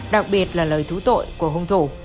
đặc biệt là lời thú tội của hung thủ